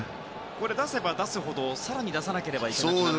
出せば出すほど更に出さなければいけなくなる。